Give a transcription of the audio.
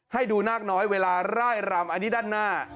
ให้ดูนาคน้อยเวลาร่ายรำอันนี้ด้านหน้า